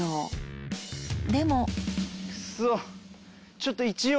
ちょっと一応。